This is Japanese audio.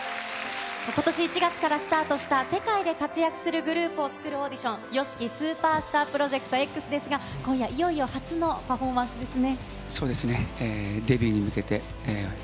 ことし１月からスタートした、世界で活躍するグループを作るオーディション、ＹＯＳＨＩＫＩＳＵＰＥＲＳＴＡＲＰＲＯＪＥＣＴＸですが、今夜いよいよ初のパフォーマンスですね。